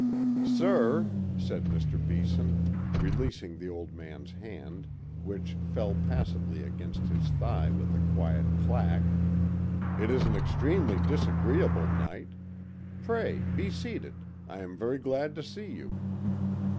"Sir," said Mr. Beeson, releasing the old man's hand, which fell passively against his thigh with a quiet clack, "it is an extremely disagreeable night. Pray be seated; I am very glad to see you."